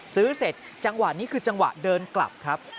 ซื้อเสร็จจังหวะนี้คือจังหวะเดินกลับครับ